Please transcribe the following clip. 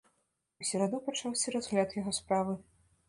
У сераду пачаўся разгляд яго справы.